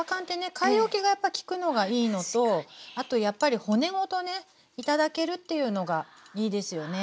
買い置きがやっぱ利くのがいいのとあとやっぱり骨ごとね頂けるっていうのがいいですよね。